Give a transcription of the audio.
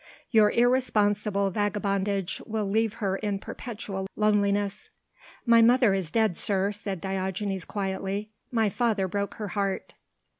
Your irresponsible vagabondage will leave her in perpetual loneliness." "My mother is dead, sir," said Diogenes quietly, "my father broke her heart."